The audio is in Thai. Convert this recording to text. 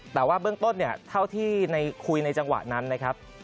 แต่ว่าเบื้องต้นเนี่ยเท่าที่คุยในจังหวะนั้นนะครับ